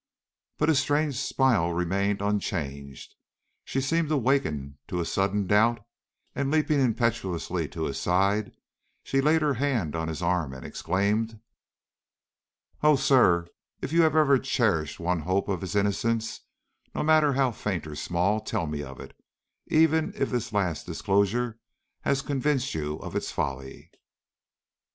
But his strange smile remaining unchanged, she seemed to waken to a sudden doubt, and leaping impetuously to his side, laid her hand on his arm and exclaimed: "Oh, sir, if you have ever cherished one hope of his innocence, no matter how faint or small, tell me of it, even if this last disclosure has convinced you of its folly!"